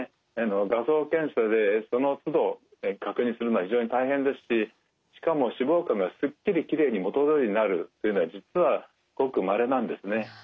画像検査でそのつど確認するのは非常に大変ですししかも脂肪肝がすっきりきれいに元どおりになるというのは実はごくまれなんですね。